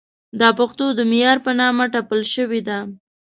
دا پښتو د معیار په نامه ټپل شوې ده.